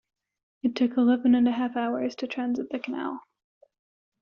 It took eleven and a half hours to transit the canal.